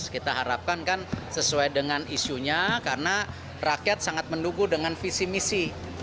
kita harapkan kan sesuai dengan isunya karena rakyat sangat mendukung dengan visi misi